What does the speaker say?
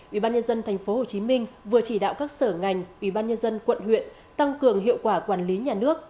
ubnd tp hcm vừa chỉ đạo các sở ngành ubnd quận huyện tăng cường hiệu quả quản lý nhà nước